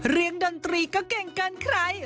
เรียงดนตรีก็เก่งกันใคร